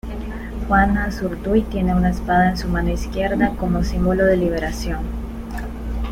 Juana Azurduy tiene una espada en su mano izquierda, como símbolo de liberación.